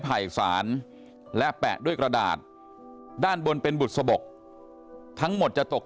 ไผ่สารและแปะด้วยกระดาษด้านบนเป็นบุษบกทั้งหมดจะตก